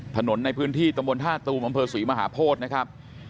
ถนนในพื้นที่ตรงบนท่าตุมบศรีมหาโพธินะครับ